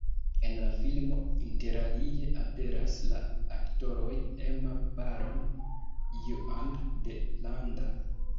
En la filmo interalie aperas la aktoroj Emma Baron, Juan de Landa.